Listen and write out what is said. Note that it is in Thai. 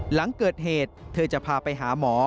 หลังเกิดเหตุเธอจะพาไปหาหมอ